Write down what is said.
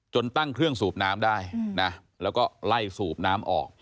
ตั้งเครื่องสูบน้ำได้นะแล้วก็ไล่สูบน้ำออก